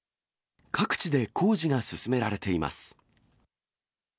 各地で工事が進められています。